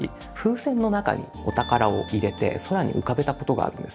船の中にお宝を入れて空に浮かべたことがあるんです。